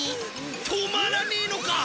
止まらねえのか！